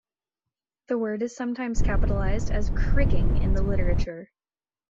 The word is sometimes capitalized as "Kriging" in the literature.